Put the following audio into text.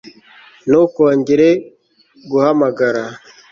ntukongere guhamagara